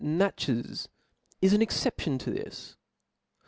Natcbes, is an exception to this.